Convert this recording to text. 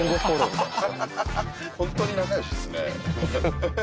本当に仲よしですね。